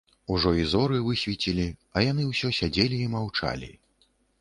Ужо і зоры высвецілі, а яны ўсё сядзелі і маўчалі.